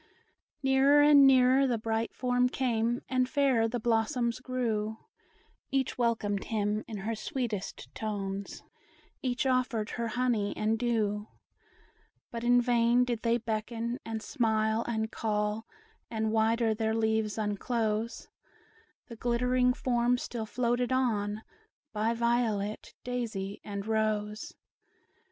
Nearer and nearer the bright form came, And fairer the blossoms grew; Each welcomed him, in her sweetest tones; Each offered her honey and dew. But in vain did they beckon, and smile, and call, And wider their leaves unclose; The glittering form still floated on, By Violet, Daisy, and Rose.